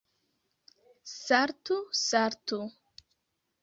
Saltu, saltu!